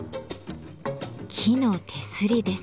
木の手すりです。